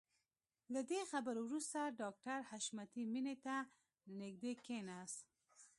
له دې خبرو وروسته ډاکټر حشمتي مينې ته نږدې کښېناست.